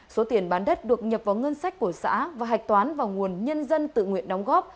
số tiền bán đất được nhập vào ngân sách của xã và hạch toán vào nguồn nhân dân tự nguyện đóng góp